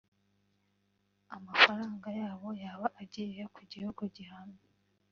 amafaranga yabo yaba agiye ku gihugu gihamye